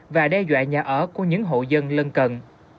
và đe dọa nhà ở của những hộ dân lân cận